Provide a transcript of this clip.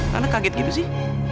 tante kaget gitu sih